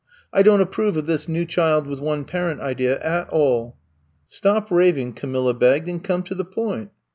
I don't approve of this new child with one parent idea at all." Stop raving,*' Camilla begged, and come to the point."